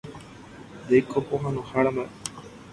Ndéiko pohãnohára mbaʼe.